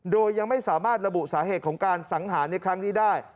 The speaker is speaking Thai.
โดยยังไม่สามารถระบุสาเหตุของการสังหารในครั้งนี้ได้